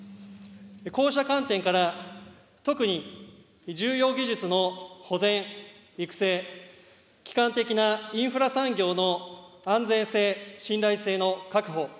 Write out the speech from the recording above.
こうした観点から特に重要技術の保全、育成、基幹的なインフラ産業の安全性、信頼性の確保。